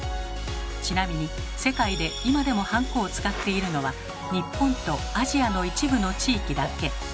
ちなみに世界で今でもハンコを使っているのは日本とアジアの一部の地域だけ。